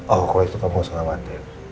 oh kalau itu kamu mau selamatin